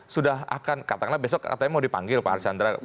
sudah akan katanya besok mau dipanggil pak arsyandra